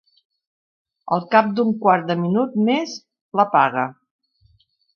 Al cap d'un quart de minut més, l'apaga.